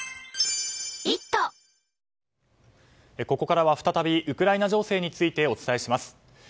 ここからは再びウクライナ情勢についてお伝えします。